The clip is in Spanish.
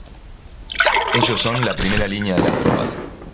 Ellos son la primera línea de las tropas.